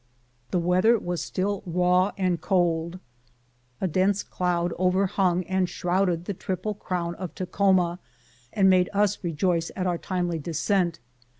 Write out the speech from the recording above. The weather was still raw and cold. A dense cloud overhung and shrouded the triple crown of Takhoma and made us rejoice at our timely descent.